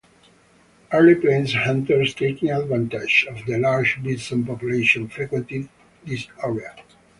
Early plains hunters, taking advantage of the large bison population, frequented this area.